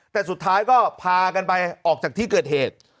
แต่สุดท้ายก็พากันไปออกจากที่เกิดเหตุ